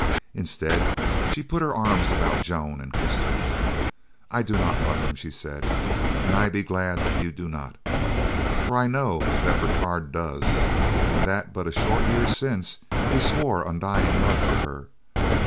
Instead she put her arms about Joan and kissed her. "I do not love him," she said, "and I be glad that you do not, for I know that Bertrade does, and that but a short year since, he swore undying love for her.